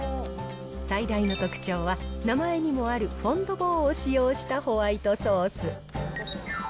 最大の特徴は、名前にもあるフォンドボーを使用したホワイトソース。